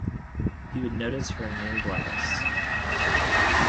He would notice her new blouse.